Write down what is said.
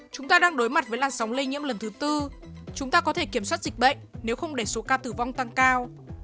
chúng ta đang đối mặt với làn sóng lây nhiễm lần thứ tư chúng ta có thể kiểm soát dịch bệnh nếu không để số ca tử vong tăng cao